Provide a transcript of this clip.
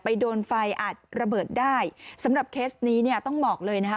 โดนไฟอาจระเบิดได้สำหรับเคสนี้เนี่ยต้องบอกเลยนะคะ